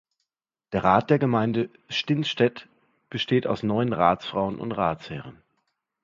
Der Rat der Gemeinde Stinstedt besteht aus neun Ratsfrauen und Ratsherren.